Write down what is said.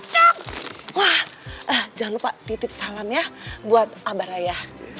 jangan lupa titip salam ya buat abah raya